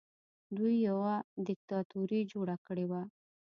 دوی یوه دیکتاتوري جوړه کړې وه